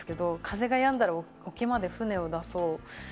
「風がやんだら沖まで船を出そう」